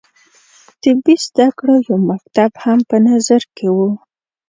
طبي زده کړو یو مکتب هم په نظر کې وو.